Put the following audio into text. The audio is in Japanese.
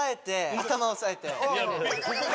頭押さえて。